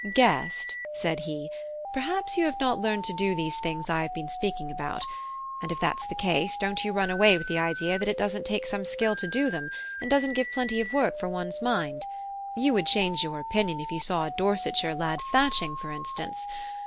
"Guest," said he, "perhaps you have not learned to do these things I have been speaking about; and if that's the case, don't you run away with the idea that it doesn't take some skill to do them, and doesn't give plenty of work for one's mind: you would change your opinion if you saw a Dorsetshire lad thatching, for instance.